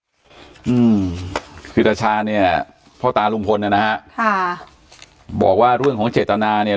อืมคือตาชาเนี่ยพ่อตาลุงพลเนี่ยนะฮะค่ะบอกว่าเรื่องของเจตนาเนี่ย